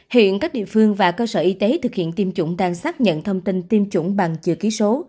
hiện các địa phương và cơ sở y tế thực hiện tiêm chủng đang xác nhận thông tin tiêm chủng bằng chữ ký số